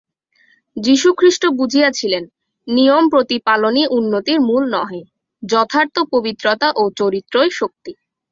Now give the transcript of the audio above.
যীশুখ্রীষ্ট বুঝিয়াছিলেন, নিয়ম-প্রতিপালনই উন্নতির মূল নহে, যথার্থ পবিত্রতা ও চরিত্রই শক্তি।